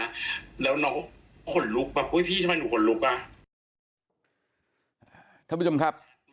แล้วหนูข่อนลุกถูกปะท่านผู้ชมครับ